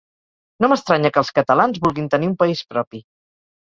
No m’estranya que els catalans vulguin tenir un país propi.